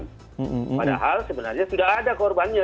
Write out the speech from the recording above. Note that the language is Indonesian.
padahal sebenarnya sudah ada korbannya